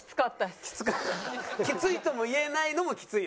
きついとも言えないのもきついよね。